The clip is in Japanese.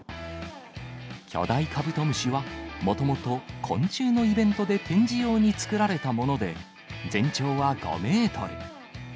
巨大カブトムシは、もともと昆虫のイベントで展示用に作られたもので、全長は５メートル。